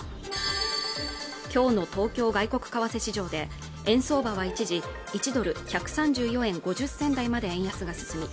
きょうの東京外国為替市場で円相場は一時１ドル１３４円５０銭台まで円安が進み